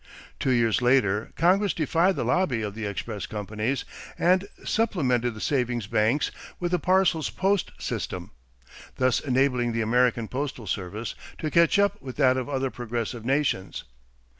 Two years later, Congress defied the lobby of the express companies and supplemented the savings banks with a parcels post system, thus enabling the American postal service to catch up with that of other progressive nations.